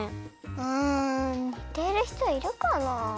うんにてるひといるかな？